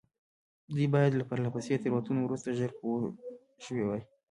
دوی باید له پرله پسې تېروتنو وروسته ژر پوه شوي وای.